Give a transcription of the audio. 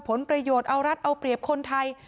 ผลประโยชน์เอารัฐเอาเปรียบคนไทย